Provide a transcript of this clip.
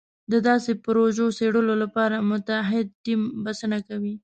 د داسې پروژو څېړلو لپاره متعهد ټیم بسنه کوي.